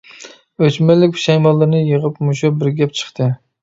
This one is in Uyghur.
ئۆچمەنلىك پۇشايمانلىرىنى يىغىپ مۇشۇ بىر گەپ چىقتى.